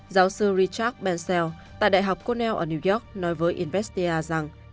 giáo sư richard bensel tại đại học cornell ở new york nói với izvestia rằng